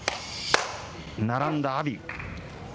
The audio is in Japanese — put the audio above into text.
並んだ阿炎。